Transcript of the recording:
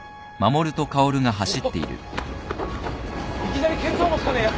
おっいきなり見当もつかねえや。